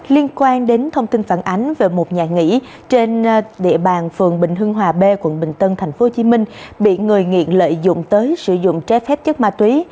liên quan đến thông tin phản ánh về một nhà nghỉ trên địa bàn phường bình hưng hòa b quận bình tân tp hcm bị người nghiện lợi dụng tới sử dụng trái phép chất ma túy